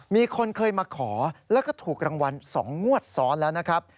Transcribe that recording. มีคนเคยมาขอแล้วก็ถูกรางวัล๒งวดซ้อนแล้วนะครับ